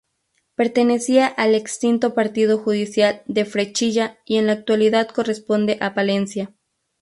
Pertenecía al extinto partido judicial de Frechilla, y en la actualidad corresponde a Palencia.